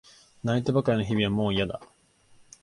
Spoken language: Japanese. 泣いてばかりの日々はもういやだ。